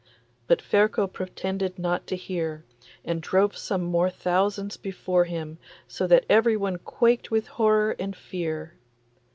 But Ferko pretended not to hear, and drove some more thousands before him, so that everyone quaked with horror and fear.